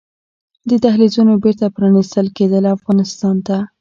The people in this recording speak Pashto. د دهلېزونو بېرته پرانيستل کیدل افغانستان ته